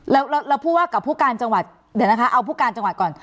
แล้วผู้ว่ากับผู้การจังหวัดเดี๋ยวนะคะเอาผู้การจังหวัดก่อน